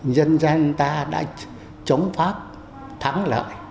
nhân dân ta đã chống pháp thắng lợi